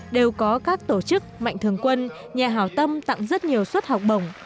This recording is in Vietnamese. đều có các tổ chức mạnh thường quân nhà hảo tâm tặng rất nhiều suất học bổng